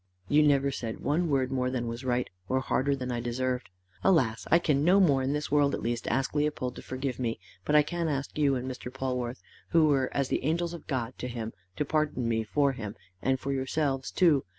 "You never said one word more than was right, or harder than I deserved. Alas! I can no more in this world at least ask Leopold to forgive me, but I can ask you and Mr. Polwarth, who were as the angels of God to him, to pardon me for him and for yourselves too.